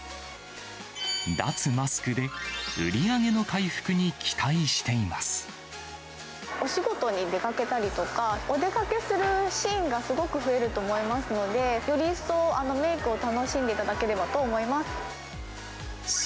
脱マスクで、お仕事に出かけたりとか、お出かけするシーンがすごく増えると思いますので、より一層、メークを楽しんでいただければなと思います。